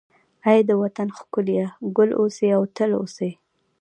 ای د وطن ښکليه، ګل اوسې او تل اوسې